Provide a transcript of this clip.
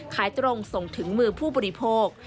ขายตรงส่งถึงมือผู้บริโภค